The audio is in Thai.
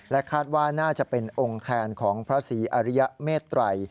คาดว่าน่าจะเป็นองค์แทนของพระศรีอริยเมตรัย